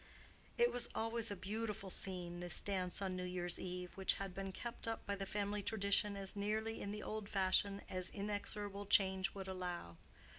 It was always a beautiful scene, this dance on New Year's Eve, which had been kept up by the family tradition as nearly in the old fashion as inexorable change would allow.